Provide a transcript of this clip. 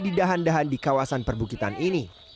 di dahan dahan di kawasan perbukitan ini